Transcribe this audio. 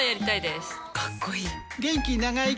かっこいい！